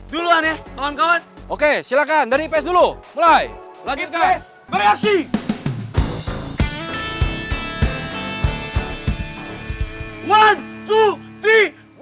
duluan ya teman teman oke silahkan dari ps dulu mulai lagi reaksi